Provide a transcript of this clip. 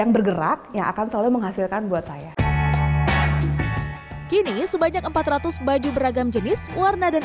yang bergerak yang akan selalu menghasilkan buat saya kini sebanyak empat ratus baju beragam jenis warna dan